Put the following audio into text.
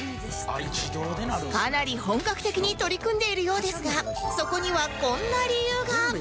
かなり本格的に取り組んでいるようですがそこにはこんな理由が